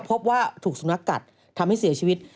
พบว่าถูกสุนัขกัดทำให้เสียชีวิต